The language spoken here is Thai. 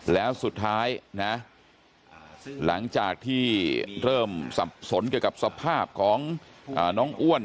แล้วสุดท้ายนะหลังจากที่เริ่มสับสนเกี่ยวกับสภาพของน้องอ้วน